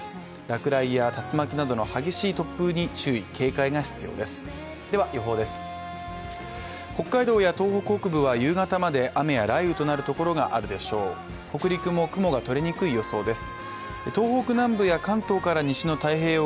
落雷や竜巻などの激しい突風に注意・警戒が必要です。